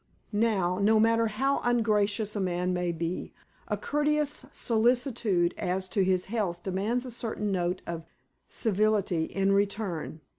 Now, no matter how ungracious a man may be, a courteous solicitude as to his health demands a certain note of civility in return.